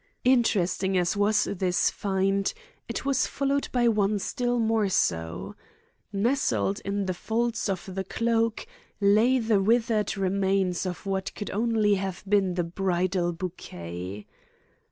Interesting as was this find, it was followed by one still more so. Nestled in the folds of the cloak, lay the withered remains of what could only have been the bridal bouquet.